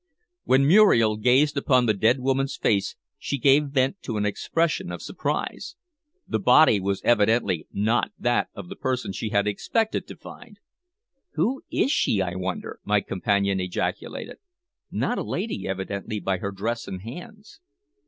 When Muriel gazed upon the dead woman's face she gave vent to an expression of surprise. The body was evidently not that of the person she had expected to find. "Who is she, I wonder?" my companion ejaculated. "Not a lady, evidently, by her dress and hands."